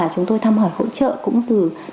chúng tôi thăm hỏi hỗ trợ cũng từ